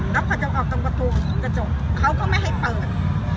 จะเผาตัวฝั่งตัวกระจกขอไม่ให้เปิด